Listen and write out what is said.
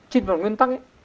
chính vào nguyên tắc